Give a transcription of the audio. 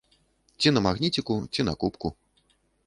Ці на магніціку, ці на кубку.